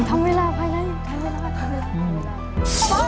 ทำเวลาไปเลยทำเวลาไปเลย